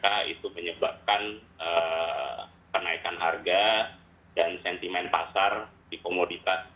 karena mereka itu menyebabkan kenaikan harga dan sentimen pasar di komoditas